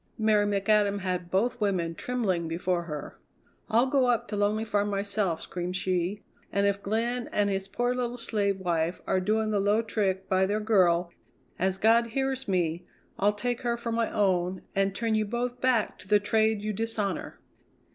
Mary McAdam had both women trembling before her. "I'll go up to Lonely Farm myself," screamed she, "and if Glenn and his poor little slave wife are doing the low trick by their girl, as God hears me, I'll take her for my own, and turn you both back to the trade you dishonour!"